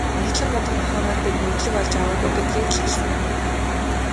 Нягтлан бодох ухаанаар бид мэдлэг олж аваагүй гэдгийг л хэлсэн.